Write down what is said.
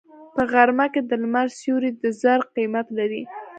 په غرمه کې د لمر سیوری د زر قیمت لري